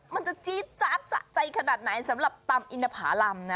มันจะจี๊ดจัดสะใจขนาดไหนสำหรับตำอินภารำนะ